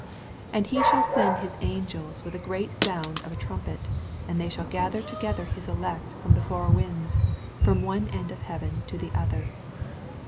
81 And he snail send his angels with agreat sound of a trumpet, and they shall gather together his elect from the four winds, from one end of heaven to the other.